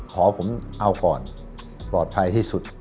ขอผมเอาก่อนปลอดภัยที่สุด